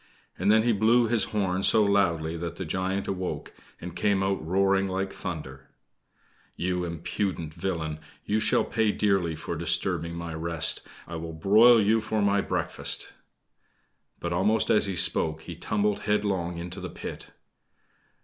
And then he blew his horn so loudly that the Giant awoke, and came out roaring like thunder: "You impudent villain you shall pay dearly for disturbing my rest. I will broil you for my breakfast!" But almost as he spoke, he tumbled headlong into the pit.